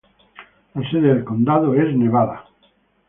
La sede del condado es Nevada.